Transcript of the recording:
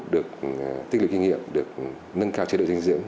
được tích lực kinh nghiệm được nâng cao chế độ dinh dưỡng